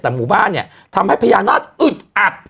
แต่หมู่บ้านเนี่ยทำให้พญานาคอึดอัด